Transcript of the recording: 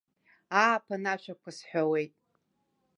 Ааԥын ашәақәа сҳәауеит.